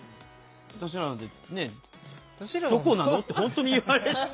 私らなんて「どこなの？」って本当に言われちゃう。